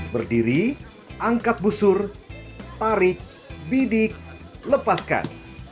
berdiri angkat busur tarik bidik lepaskan